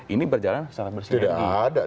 ini berjalan secara berselidiki